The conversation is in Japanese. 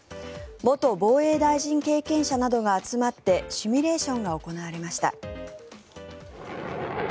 元防衛大臣経験者などが集まってシミュレーションが行われました。